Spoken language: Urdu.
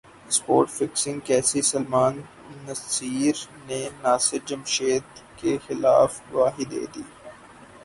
spot fixing case Salman Naseer نے ناصر جمشید کیخلاف گواہی دے دی